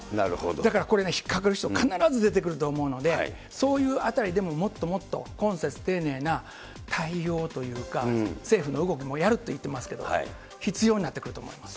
だからこれね、引っ掛かる人必ず出てくると思うので、そういうあたりでももっともっと懇切丁寧な対応というか、政府の動きも、やると言ってますけど、必要になってくると思います。